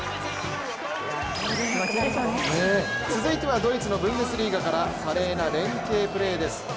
続いてはドイツのブンデスリーガから華麗な連係プレーです。